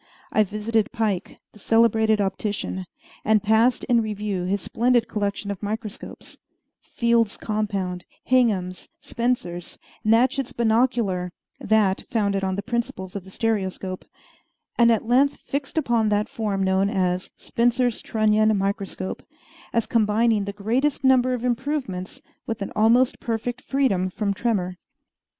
I visited Pike, the celebrated optician, and passed in review his splendid collection of microscopes Field's Compound, Hingham's, Spencer's, Nachet's Binocular (that founded on the principles of the stereoscope), and at length fixed upon that form known as Spencer's Trunnion Microscope, as combining the greatest number of improvements with an almost perfect freedom from tremor.